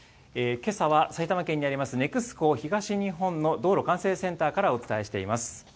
けさは埼玉県にあります、ＮＥＸＣＯ東日本の道路管制センターからお伝えしています。